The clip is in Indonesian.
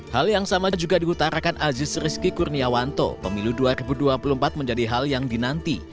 hal yang sama juga diutarakan aziz rizky kurniawanto pemilu dua ribu dua puluh empat menjadi hal yang dinanti